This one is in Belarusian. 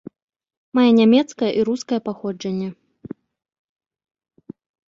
Мае нямецкае і рускае паходжанне.